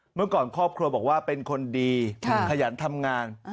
เมื่อก่อนครอบครัวบอกว่าเป็นคนดีขยันทำงาน